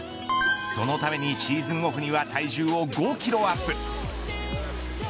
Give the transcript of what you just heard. そのために、シーズンオフには体重を５キロアップ。